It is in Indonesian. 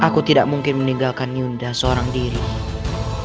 kami dengan ibunda ya allah